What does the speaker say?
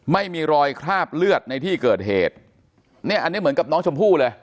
ไม่มีรอยคราบเลือดในที่เกิดเหตุเนี่ยอันนี้เหมือนกับน้องชมพู่เลย